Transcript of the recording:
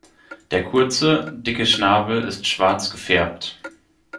Der kurze, dicke Schnabel ist schwarz gefärbt.